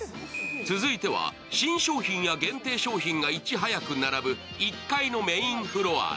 続いては新商品や限定商品がいち早く並ぶ１階へ。